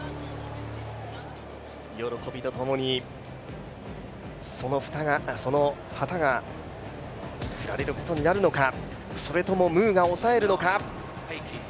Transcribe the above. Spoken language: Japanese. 喜びとともに、その旗が振られることになるのか、それともムーが抑えるのか。